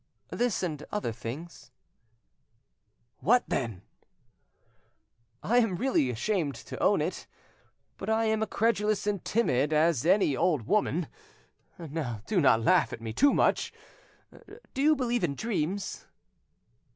"This and other things." "What, then?" "I am really ashamed to own it, but I am a credulous and timid as any old woman. Now do not laugh at me too much. Do you believe in dreams?"